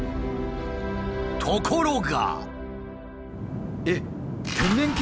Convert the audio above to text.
ところが。